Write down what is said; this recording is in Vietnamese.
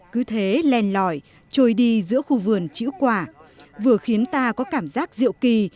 cứ thế len lỏi trôi đi giữa khu vườn chữ quả vừa khiến ta có cảm giác diệu kỳ